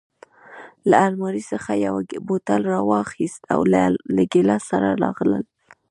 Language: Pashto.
له المارۍ څخه یې یو بوتل راواخیست او له ګیلاس سره راغلل.